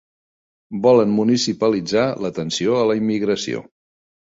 Volen municipalitzar l'atenció a la immigració.